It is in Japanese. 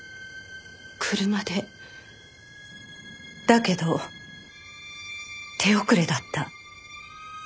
だけど手遅れだった。